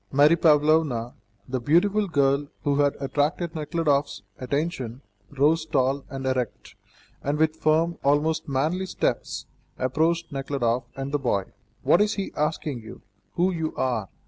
Mary Pavlovna, the beautiful girl who had attracted Nekhludoff's attention, rose tall and erect, and with firm, almost manly steps, approached Nekhludoff and the boy. "What is he asking you? Who you are?"